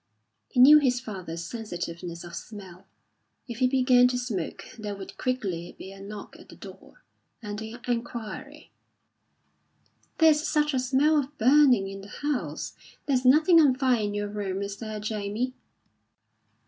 He knew his father's sensitiveness of smell. If he began to smoke there would quickly be a knock at the door, and the inquiry: "There's such a smell of burning in the house; there's nothing on fire in your room, is there, Jamie?"